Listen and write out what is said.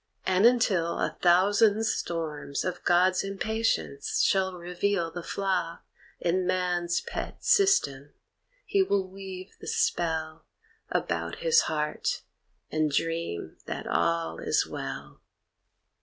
And until a thousand storms Of God's impatience shall reveal the flaw In man's pet system, he will weave the spell About his heart and dream that all is well.